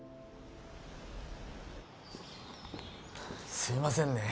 すいませんね